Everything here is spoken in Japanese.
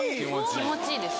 気持ちいいです。